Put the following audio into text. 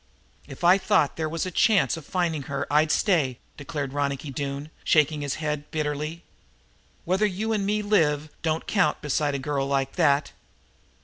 "If I thought they was a chance of finding her I'd stay," declared Ronicky, shaking his head bitterly. "Whether you and me live, don't count beside a girl like that.